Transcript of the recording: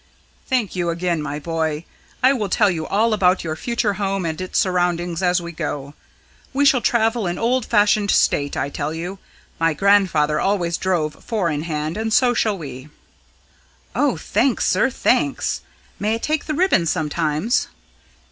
"Thank you again, my boy. I will tell you all about your future home and its surroundings as we go. We shall travel in old fashioned state, I tell you. My grandfather always drove four in hand; and so shall we." "Oh, thanks, sir, thanks. May I take the ribbons sometimes?"